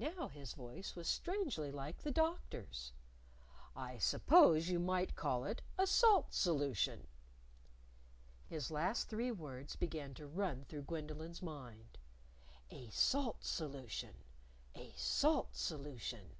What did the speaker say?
(Now his voice was strangely like the Doctor's.) "I suppose you might call it a salt solution." His last three words began to run through Gwendolyn's mind "A salt solution! A salt solution!